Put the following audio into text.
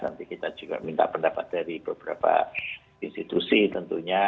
nanti kita juga minta pendapat dari beberapa institusi tentunya